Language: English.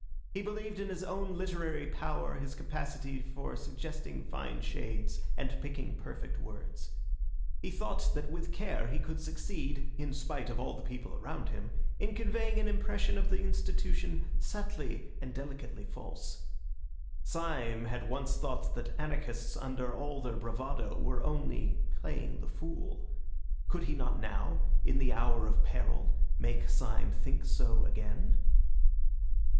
He believed in his own literary power, his capacity for suggesting fine shades and picking perfect words. He thought that with care he could succeed, in spite of all the people around him, in conveying an impression of the institution, subtly and delicately false. Syme had once thought that anarchists, under all their bravado, were only playing the fool. Could he not now, in the hour of peril, make Syme think so again?